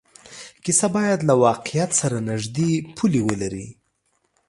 کیسه باید له واقعیت سره نږدې پولې ولري.